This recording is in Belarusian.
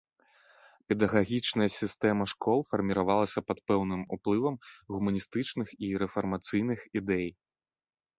Педагагічная сістэма школ фарміравалася пад пэўным уплывам гуманістычных і рэфармацыйных ідэй.